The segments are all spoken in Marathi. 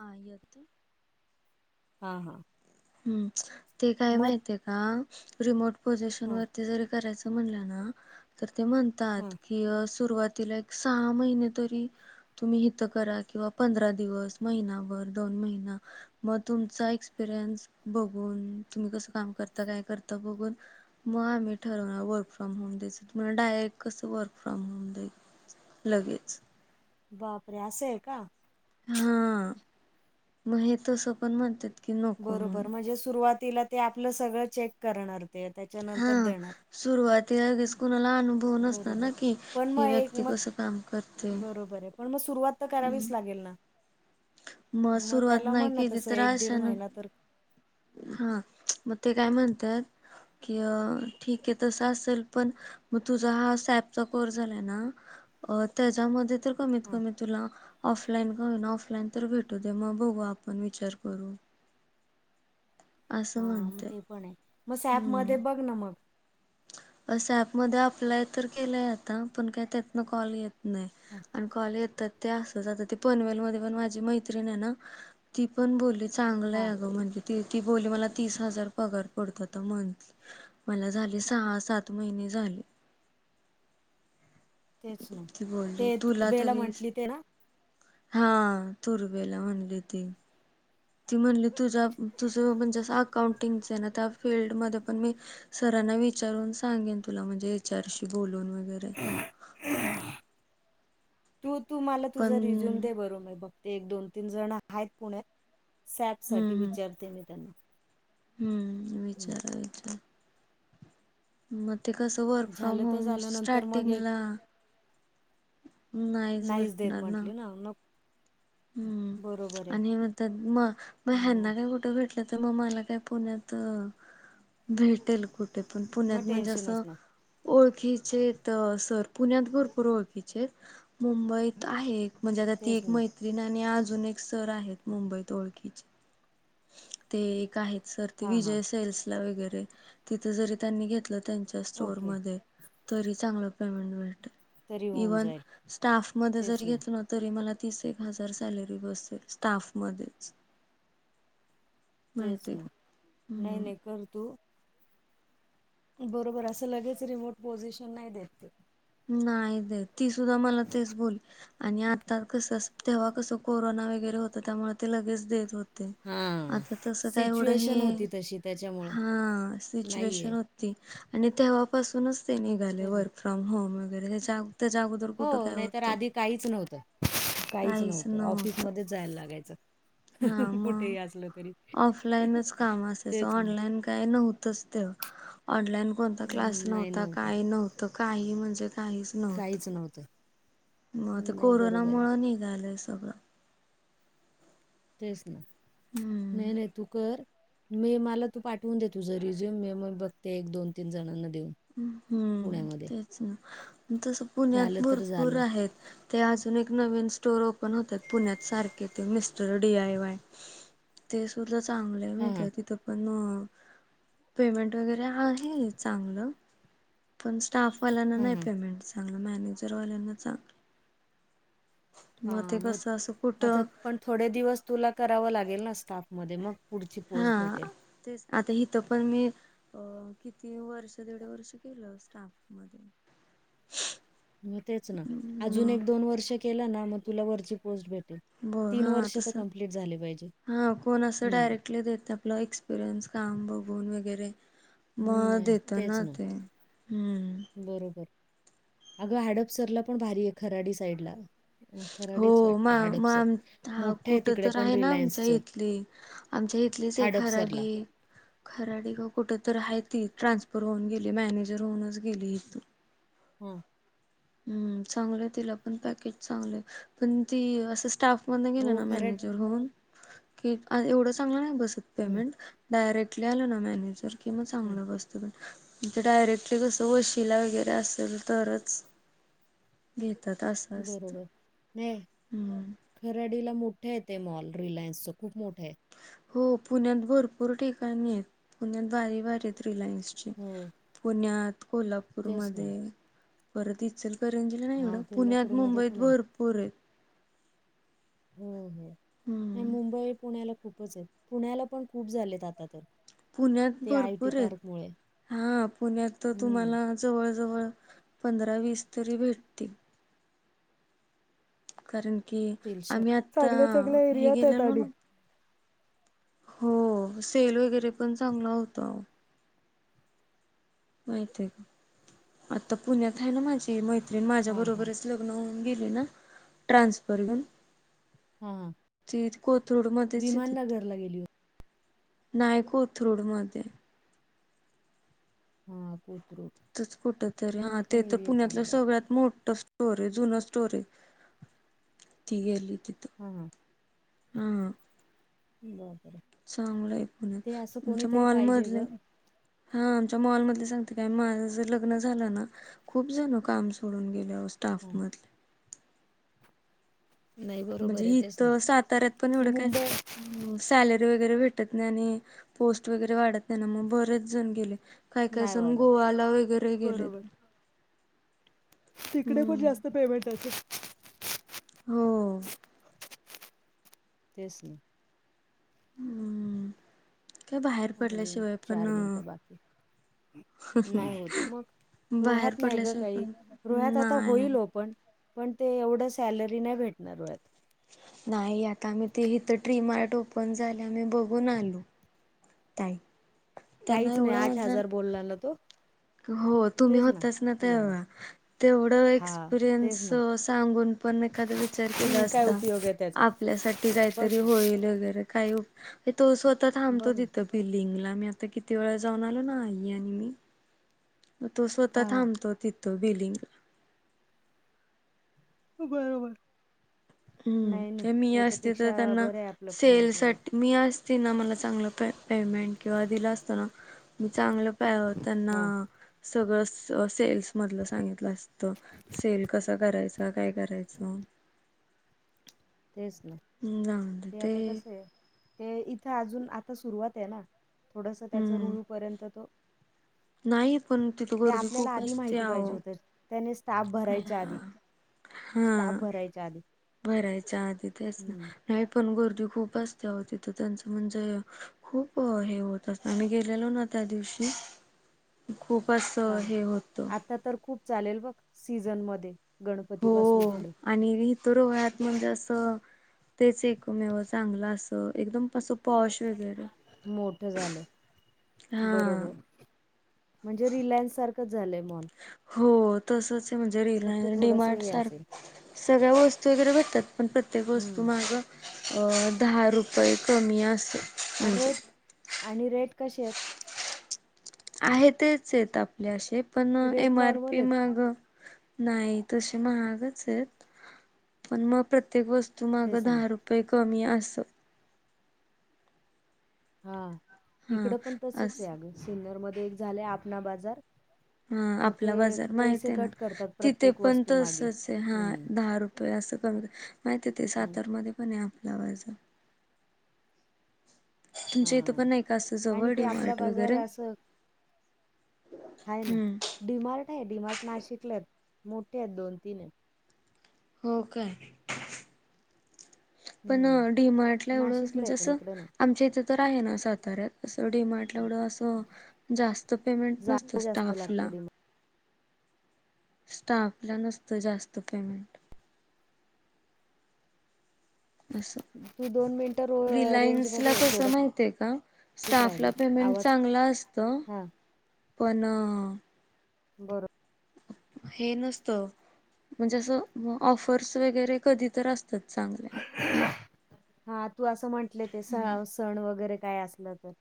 हां येती. हा- हा. हम्म ते काय मग माहितय का रिमोट पोझिशन हा वरती जरी करायचं म्हणलं ना तर ते हा म्हणतात की सुरुवातीला एक सहा महिने तरी तुम्ही हित करा किंवा पंधरा दिवस महिनाभर दोन महिना. मग तुमचा एक्सपिरियन्स बघून तुम्ही कसं काम करता काय करता बघून मग आम्ही ठरवणार वर्क फ्रॉम होम द्यायचं तुम्हाला डायरेक्ट कसं वर्क फ्रॉम होम दईल. लगेच. बापरे असं आहे का? हा मग हे तसं पण म्हणत्यात, बरोबर म्हणजे सुरुवातीला ते आपलं सगळं चेक करणार, ते हा त्याच्यानंतर देणार. सुरुवातीला लगेच कुणाला आणू भव नसत बरोबर ना की पण ही मग एक व्यक्ती मग कस काम करते, बरोबर आहे पण मग सुरुवात तर करावीच लागेल ना. मग सुरुवात त्याला नाही म्हणण केली तस तर एक दीड अचानक महिना तर हा मग ते काय म्हणतात, की अ ठीक आहे तस असेल तर पण मग तुझा हा स्याप चा कोर्स झालाय ना, त्याच्यामध्ये तर कमीत हा कमी तुला ऑफलाईन का होईना ऑफलाईन तर भेटू दे मग बघू आपण विचार करू. हा असं मग म्हणते ते पण आहे मग सॅप मध्ये बघ ना मग. अस ॲपमधे अप्लाय तर केलंय आता पण काय त्यातन कॉल येत नाही हा आणि कॉले येतात ते अस आता ती पनवेल मध्ये पण माझी मैत्रिण ना, ती पण बोलली चांगलं आहे हा, अ गं म्हण ती बोली मला तीस हजार पगार पडतो मंथली मला झाली सहा सात महिने झाली. तेच ना. ती बोलली ते तुला तुर्बेला तरिस, म्हंटली ते ना हा तुर्वेला म्हणली ती ती म्हणली तुझा तुझं म्हणजे जस अकाउंटिंगच आहे ना त्या फीलल्डमधे पण मी सरांना विचारून सांगेन तुला म्हणजे त्यांच्या येच. आर. शी बोलून वगैरे. तू तू मला तुझा रिझ्यूम पण दे बर मी बघते, एक दोन तीन जण आहेत पुण्यात सॅप साठी हम्म विचारते मी त्यांना. हम्म हम्म. विचारा विचारा मग ते कसं वर्क फ्रॉम झालं तर होम झालं नंतर मग एक स्टार्टिंगला नाहीच देत म्हटली ना मग हम्म बरोबर आहे आणि म मग मग हं हेना काय कुठ भेटलं तर मग मला काय पुण्यात भेटेल कुठ कुठे पण मग पुण्यात म्हणजे टेन्शनच असं, नाही ओळखीचे तर सर पुण्यात भरपूर ओळखीचे मुंबईत आहे, म्हणजे आता ती तेच एक ना मैत्रीण आणि अजून एक सर आहेत मुंबईत ओळखीची ते एक आहेत सर ते हां हां विजय सेल्सला वगरे तिथ जरी त्यांनी घेतलं तर च्या स्टोर ओके मध्ये तरी चांगलं पेमेंट मिळत. तरी होऊन इव्हन जाईल स्टाफ मधे जर तेच ना घेत न तरी मला तीस एक हजार सॅलरी बसेल स्टाफ मध्येच. तेच ना का नाही हम्म नाही कर तू, बरोबर असं लगेच रिमोट पोझिशन नाही देते. नाही देत ती सुद्धा मला तेच बोलली, आणि आता कस तेव्हा कसं कोरोना वगैरे होत त्यामुळे ते लगेच देत होत हां आता तस काय एढं सिच्युएशन हे होती तशी त्याच्यामुळं हा नाहीये सिचुएशन हो ती. आणि तेव्हापासूनच ते निघाले तेच ना. वर्क फ्रॉम होम वगैरे त्या जाग हो नाहीतर आधी काहीच नव्हतं काहीच नव्हतं ऑफिसमधेच जायला हा लागायचं. मग कुठेही असलं तरी तेच ना, पण काय नव्हतच तेव्हा ऑनलाईन कोणता क्लास नाही नव्हता नव्हतं काही नव्हतं काही म्हणजे काहीच नव्हत काहीच नव्हतं म आता नाही कोरोना बरोबर आहे मुळं निघालंय सगळं तेच ना हम्म. नाही नाही तू कर मी मला तू पाठवून देे तुझ रिझ्युम मी मग बघते एक दोन तीन जणांना देऊन हम्म पुण्यामध्ये तेच ना तस पुण्यात झालं तर भरपूर झालं आहेत ते अजून एक नवीन स्टोर ओपन होतात पुण्यात सारखे ते मिस्टर डी आय वाय ते सुद्धा चांगले आहे हां माहित हां आहे तिथं पण पेमेंट वगैरे आहे चांगलं पण स्टाफवाल्यांना नाही हां पेमेंट चांगलं मॅनेजरवाल्यांना चांगलं हा ते मग कसं असं आता कुठं पण थोडे दिवस तुला करावं लागेल ना स्टाफ मध्ये मग पुढची पोस्ट हा भेटेल तेच आता इथ पण मी अ किती वर्ष दीड वर्ष केलं स्टाफ मध्ये मग तेच ना अजून मग एक दोन वर्ष केलं ना मग तुला वरची पोस्ट भेटेल ब तीन हा वर्ष तर तसं कंप्लीट झाले पाहिजे.. हम घेतात आपलं एक्सपिरियन्स काम बघून वगैरे हम्म, मग नाही येत ना तेच ते हम्म बरोबर.. अगं हडपसरला पण भारी आहे खराडी साईड ला हो मा मां आता मोठे आहे कुठं तिकडे तर पण आहे ना आमच्या रिलायन्सचं इथली? आमच्या इथलीच एक हडपसरला. खराडी खराडी का कुठं तर आहे ती ट्रान्सफर होऊन गेली मॅनेजर होऊनच गेली इथून. हम्म. हम्म चांगलंय तिला पण पॅकेज चांगलंय पण ती असं स्टाफ मधन गेलं हो ना खरड मॅनेजर होऊन कि एवढं चांगलं नाही बसत हं, पेमेंट डायरेक्टली आल ना मॅनेजर कि मग हं. चांगलं बसत. पण म्हजे डायरेक्टली कसं वशीला वगैरे असेल तरच घेतात अस बरोबर.. ये.. खराडीला मोठे आहे ते मॉल रिलायन्सच खूप मोठं आहे हो पुण्यात भरपूर ठिकाणी आहेत पुण्यात भारी भारी आहेत रिलायन्सचे हो, पुण्यात तेच कोल्हापूरमधे ना. परत इचलकरंजी करंजीला नाही एवढ हां, पुण्यात कोल्हापूरमध्ये मुंबईत पण आहे. भरपूर आहेत.. हो हो नाही हम्म मुंबई पुण्याला खूपच आहेत पुण्याला पण खूप झालेत आता तर पुण्यात ते आयटी भरपूर आहेत पार्कमुळे. हा पुण्यात तर हं, तुम्हाला जवळ जवळ पंधरा वीस तरी भेटतील. कारण की तिलशा आम्ही आता चांगल्या, चांगल्या हे एरियात आहेत गेलेलो आणि. ना हो सिव्हिल वगैरे पण चांगला होता. माहित आहे का आता पुण्यात आहे ना माझी मैत्रीण माझ्या हां, हां. बरोबरच लग्न होऊन गेली ना ट्रांसफर होऊन हां, हां. ती कोथरूड मध्येच येतित. विमाननगरला गेली होती. नाय कोथरूड मध्ये. हा कोथरूड. तिथंच कुठ तरी हा तो ते पण तर एरिया पुण्यातलं चांगला आहे. सगळ्यात मोठ स्टोर आहे जुन स्टोर आहे ती गेली तिथं. हम हम.. हं. बर. चांगलंय पुन आमचं कोणीतरी पाहिजे मॉलमधले गं. हा आमच्या मॉलमधले सांगते काय, माझं जर लग्न झालं ना, खूप जण काम सोडून गेले आओ स्टाफ हां. मधले. नाही बरोबर म्हणजे आहे तेच ना इथं साताऱ्यात पण हे एवढं काय मुंबई सॅलरी वगैरे भेटत नाही आणि पोस्ट वगैरे वाढत नाही ना. मग बरच जाऊन गेले. काय काय नाही जण वाढत गोवाला वगैरे गेले. बरोबर तिकडे पण हम्म जास्त पेमेंट असे हो. तेच ना. हम्म काय बाहेर अजून पडल्याशिवाय पण चार मिनटं बाकीये. नाही होत मग. बाहेर रोह्यात नाही ग पडल्याशिवाय काही. पण रोह्यात आता नाही होईल ओपण. पण ते एवढं सॅलरी नाही भेटणार रोह्यात. नाही आता आम्ही ते इथ ट्री मार्ट ओपन झाल. आम्ही बघून आलो. ाय [unintelligible] काहीच नाही आठ हजार बोला ना तो. हो तुम्ही तेच होताच ना येडा तेव्हा. तेवढं हा एक्सपिरियन्स तेच ना सांगून पण एखादा विचार केला हम्म काय असता. उपयोग आहे त्याचा आपल्यासाठी बघ काहीतरी ना होईल वगैरे. काही तो स्वतः थांबतो बघ ना तिथं. बिल्डिंगला. मी आता किती वेळा जाऊन आलो ना. आई आणि मी. म तो स्वतः हा थांबतो तिथं बिलिंगला. बरोबर. नाही नाही हम्म मी असते त त्याच्यापेक्षा त्यांना बरं आहे आपलं पुण्यात वगैरे सेलसाठी, मी असते ना मला चांगलं प पेमेंट किंवा दिला असतना. मी चांगलं प त्यांना हा सगळं सेल्स मधलं सांगितलं असतं. सेल कसं करायच. काय करायचं. तेच ना. जाऊन दे ते आता कसय. ते इथं अजून आता सुरुवाते ना. थोडस त्याच हम्म रुळूपर्यंत तो [inaudible] पण तिथं ते गर्दी आपल्याला खूप आधी असते माहिती पाहिजे आहो होत. त्याने स्टाफ भरायच्या आधी. स्टाफ हा भरायच्या आधी. भरायच्या आधी तेच ना. हम्म नाही पण गर्दी खूप असते आओ तीथ. त्यांचं म्हणजे खूप हे होत अस. आम्ही गेलेलो ना त्या दिवशी खूप असं हे होतं. त्या तर खूप चालेल बघ, सीझन मध्ये. गणपती हो पासून पुढे आणि वी रोह्यात म्हणजे अस, तेच एकमेव चांगलं असं, एकदम आस पॉश वगैरे. मोठं झालंय. हा. बरोबर म्हणजे रिलायन्स सारखंच झालंय मॉल. हो तसचे म्हणजे फक्त रिलाय थोडस डीमार्ट हे सारख. असेल सगळ्या वस्तू वगैरे भेटतात. पण प्रत्येक वस्तू हम्म माग अ दहा रुपये कमी अस. अ रेट आणि रेट कशेयेत? आहेत तेच येत आपलेशीे पण rate M R normal P आहेत का माग नाही तसे महागच आहेत पण मग प्रत्येक वस्तू माग तेच ना दहा रुपय कमी असं. हा हा इकडं पण तसच आहे असं अग सिन्नरमध्ये एक झालं आपणा बाजार. अ मग ते आपला बाजार माहित पैसे आहे ना? कट करतात तिथे प्रत्येक पण वस्तू मागे. तसच आहे हा हं, दहा रुपये असं कमी माहिती ते हं, सातार मध्ये. पण आपला बाजार हा तुमच्या इथं पण नाही का असं आणि जवळ ते डी आपला मार्ट बाजार वगैरे आस ह ना हम्म डीमार्ट आहे डीमार्ट नाशिकला आहेत मोठे आहेत दोन- तीन आहेत. हो काय. पण हं. डीमार्टला एवढं नाशिकला आहे म्हणजे पण असं इकडं नाही. आमच्या इथे तर आहे ना साताऱ्यात असं डीमार्ट एवढ असं हम्म. जास्त पेमेंट नसत जागा जास्त स्टाफला. लागते स्टाफ ला नसत जास्त पेमेंट. असं. डीमार्ट तू मिनिटं रो रिलायन्स रेंजमध्ये ये कस थोडं माहितीय का कमीच स्टाफला राहिले पेमेंट आवाज चांगला आस त हां, पण बर. हे नसत म्हणजे असं ऑफर्स वगैरे कधी तर असतात चांगल्या. हा तू असं म्हटलं ते स सण वगैरे काय असलं तर.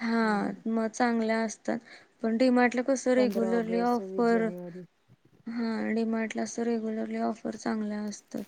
हा हं. मग चांगल्या असतात पण डीमार्टला कस रेगुलरली ऑगस्ट, ऑफर जानेवारी हा डीमार्ट ला अस तर रेग्युलरली ऑफर चांगल्या असतात.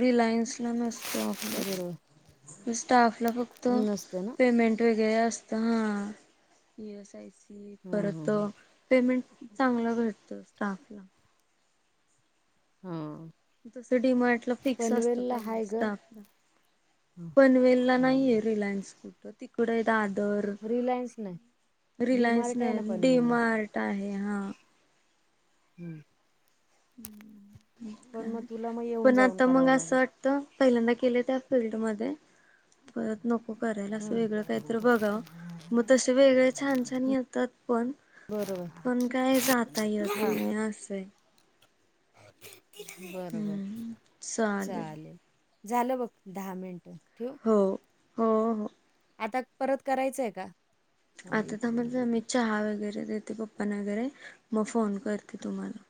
रीलायन्स ला नसत बरोबर ऑफर स्टाफला फक्त नसतं ना? पेमेंट वगैरे असत. हं, हं, परत हं. पेमेंट चांगलं मिळतं स्टाफला. हम. तसं डिमार्ट ला फिक्स असतं पेमेंट हाय ग स्टाफला. ह पनवेल ला नाहीये हा. रिलायन्स कुठं. तिकड आहेत दादर रिलायन्स नाही रिलायन्स डीमार्ट आहे ना नाही पनवेलला. डीमार्ट ता आहे हा हम्म. हम्म. पण मग तुला मग येऊन जाऊन करावं लागेल. तर पहिल्यांदा केले त्या पिरियड मध्ये. परत नको करायला असं हम्म. वेगळं काहीत बघावं मग त ते वेगळे छान छान येतात पण बरोबर पण काय जाता येत नाही असं आहे. बर बर चालेल. झालं बघ दहा मिनटं ठेवू? हो. हो हो आता परत करायचंय का? थांब आता तर इकडून म्हणलं बोल मी चहा वगैरे देते पप्पा वगैरे मग फोन करते तुम्हाला.